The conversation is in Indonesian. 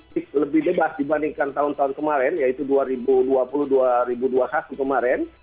ini lebih bebas dibandingkan tahun tahun kemarin yaitu dua ribu dua puluh dua ribu dua puluh satu kemarin